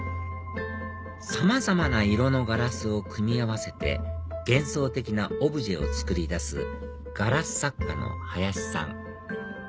さまざまな色のガラスを組み合わせて幻想的なオブジェを作り出すガラス作家の林さん